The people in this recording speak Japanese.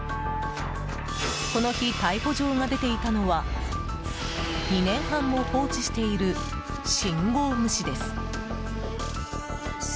この日、逮捕状が出ていたのは２年半も放置している信号無視です。